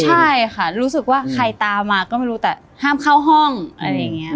ใช่ค่ะรู้สึกว่าใครตามมาก็ไม่รู้แต่ห้ามเข้าห้องอะไรอย่างนี้